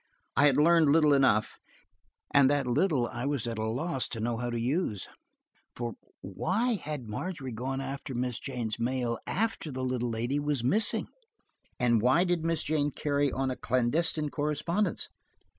I had learned little enough, and that little I was at a loss to know how to use. For why had Margery gone for Miss Jane's mail after the little lady was missing ? And why did Miss Jane carry on a clandestine correspondence